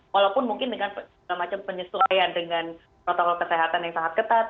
walaupun mungkin dengan segala macam penyesuaian dengan protokol kesehatan yang sangat ketat